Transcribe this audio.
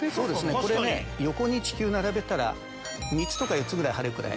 これね横に地球並べたら３つとか４つぐらい入るくらい。